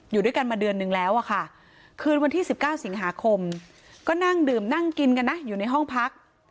อยู่ด้วยกันมาเดือนนึงแล้วอะค่ะคืนวันที่๑๙สิงหาคมก็นั่งดื่มนั่งกินกันนะอยู่ในห้องพัก